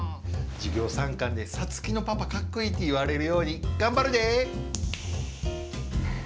授業参観でサツキのパパ、かっこいいって言われるように頑張るでー。